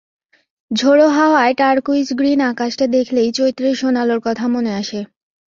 ঝোড়ো হাওয়ায় turquoise green আকাশটা দেখলেই চৈত্রের সোনালুর কথা মনে আসে।